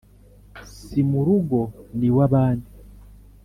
Si mu rugo niwabandi